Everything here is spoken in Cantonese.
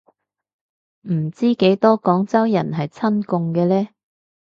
唔知幾多廣州人係親共嘅呢